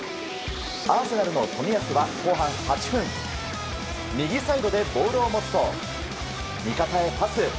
アーセナルの冨安は後半８分右サイドでボールを持つと味方へパス。